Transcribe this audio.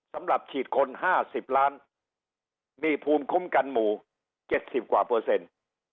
สำหรับฉีดคนห้าสิบล้านหนี้ภูมิคุ้มกันหมู่เจ็ดสิบกว่าเปอร์เซ็นต์